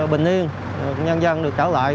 bình yên nhân dân được trở lại